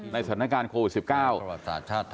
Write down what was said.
ในสถานการณ์โควิด๑๙